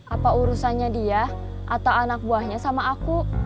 apa urusannya dia atau anak buahnya sama aku